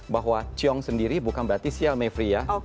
bahwa ciong sendiri bukan berarti sial mevria